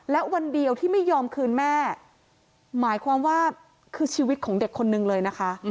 และวันเดียวที่ไม่ยอมคืนแม่หมายความว่าคือชีวิตของเด็กคนนึงเลยนะคะ